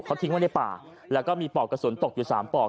เขาทิ้งไว้ในป่าแล้วก็มีปอกกระสุนตกอยู่๓ปอก